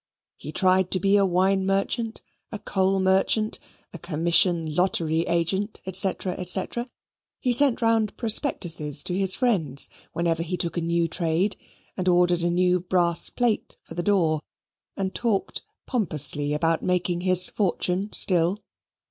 He tried to be a wine merchant, a coal merchant, a commission lottery agent, &c., &c. He sent round prospectuses to his friends whenever he took a new trade, and ordered a new brass plate for the door, and talked pompously about making his fortune still.